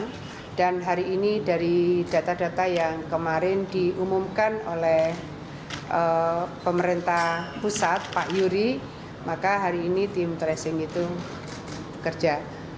nah dan hari ini dari data data yang kemarin diumumkan oleh pemerintah pusat pak yuri maka hari ini tim tracing itu kerja